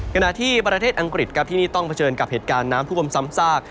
ขณะที่ประเทศอังกฤษครับที่นี่ต้องเผชิญกับเหตุการณ์น้ำท่วมซ้ำซาก